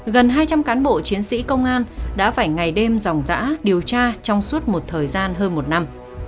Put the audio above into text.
gần hai trăm linh cán bộ chiến sĩ công an đã phải ngày đêm dòng giã điều tra trong suốt một thời gian hơn một năm